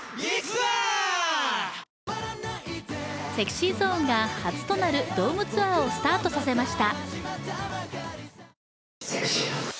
ＳｅｘｙＺｏｎｅが初となるドームツアーをスタートさせました。